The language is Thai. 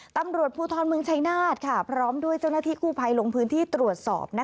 ตำรวจภูทรเมืองชายนาฏพร้อมด้วยเจ้าหน้าที่กู้ภัยลงพื้นที่ตรวจสอบ